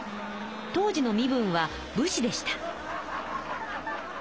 当時の身分は武士でした。